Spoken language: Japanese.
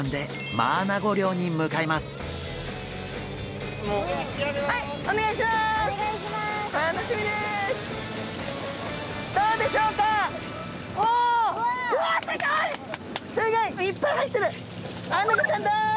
マアナゴちゃんだ！